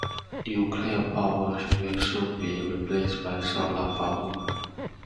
Nuclear power will soon be replaced by solar power.